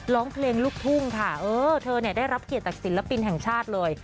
ร้องเพลงลูกทุ่งค่ะเธอได้รับเกียรติศิลปินแห่งชาติเลย